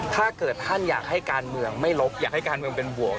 ถ้าเกิดท่านอยากให้การเมืองไม่ลบอยากให้การเมืองเป็นบวก